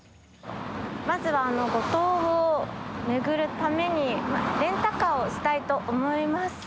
まずは五島を巡るためにレンタカーをしたいと思います。